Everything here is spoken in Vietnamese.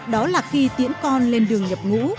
đó là khi tiễn con lên đường nhập ngũ